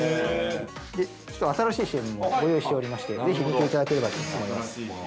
ちょっと新しいＣＭもご用意しておりまして、ぜひ見ていただけたらと思います。